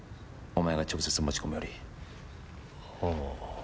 お前が直接持ち込むより。